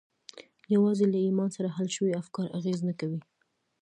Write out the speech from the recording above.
یوازې له ایمان سره حل شوي افکار اغېز نه کوي